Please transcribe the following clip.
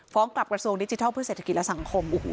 กลับกระทรวงดิจิทัลเพื่อเศรษฐกิจและสังคม